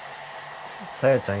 小夜ちゃん